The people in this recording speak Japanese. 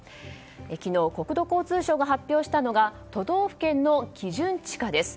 昨日、国土交通省が発表したのが都道府県の基準地価です。